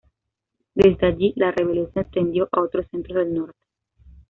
Desde allí, la rebelión se extendió a otros centros del norte.